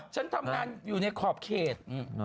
ฉันทำงานอยู่ในขอบเขต